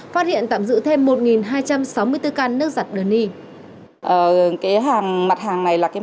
phát hiện tạm giữ thêm một hai trăm sáu mươi bốn can nước giặt dini